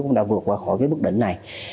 cũng đã vượt qua khỏi bức định này